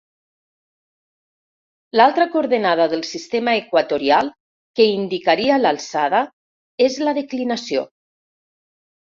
L'altra coordenada del sistema equatorial, que indicaria l'alçada és la declinació.